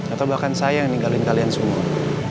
atau bahkan saya yang ninggalin kalian semua